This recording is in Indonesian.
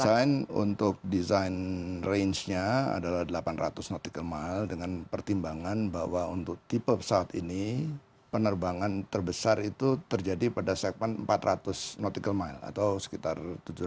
jadi kita desain untuk desain range nya adalah delapan ratus nautical mile dengan pertimbangan bahwa untuk tipe pesawat ini penerbangan terbesar itu terjadi pada segmen empat ratus nautical mile atau sekitar tujuh ratus